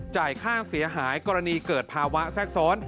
ค่าเสียหายกรณีเกิดภาวะแทรกซ้อน